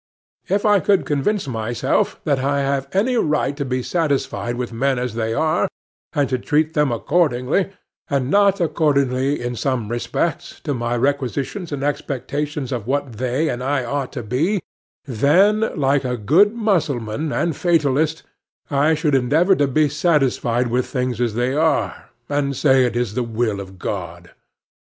If I could convince myself that I have any right to be satisfied with men as they are, and to treat them accordingly, and not according, in some respects, to my requisitions and expectations of what they and I ought to be, then, like a good Mussulman and fatalist, I should endeavor to be satisfied with things as they are, and say it is the will of God.